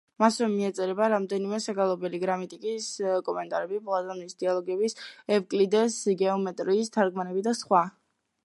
მასვე მიეწერება რამდენიმე საგალობელი, გრამატიკის კომენტარები, პლატონის დიალოგების, ევკლიდეს „გეომეტრიის“ თარგმანები და სხვა.